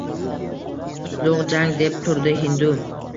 Qutlug’ jang, deb turdi hindu